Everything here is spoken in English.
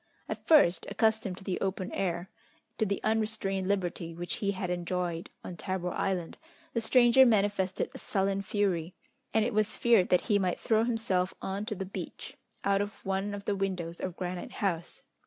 At first, accustomed to the open air, to the unrestrained liberty which he had enjoyed on Tabor Island, the stranger manifested a sullen fury, and it was feared that he might throw himself on to the beach, out of one of the windows of Granite House.